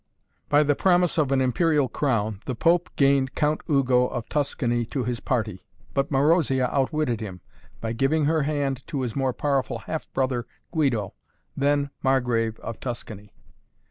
By the promise of an imperial crown, the pope gained Count Ugo of Tuscany to his party, but Marozia outwitted him, by giving her hand to his more powerful half brother Guido, then Margrave of Tuscany.